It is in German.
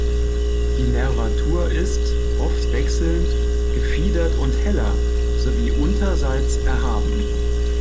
Die Nervatur ist, oft wechselnd, gefiedert und heller, sowie unterseits erhaben.